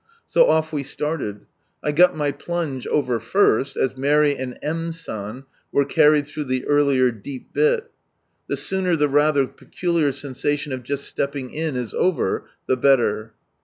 So off we started. I got my plunge over first, as Mary and M. San were carried through the earlier deep bit. The sooner the rather peculiar sensation of just stepping in is over, the better.